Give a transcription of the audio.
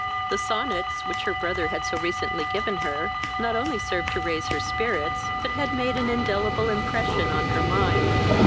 The sonnets, which her brother had so recently given her, not only served to raise her spirits, but had made an indelible impression on her mind.